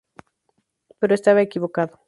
Pero estaba equivocado.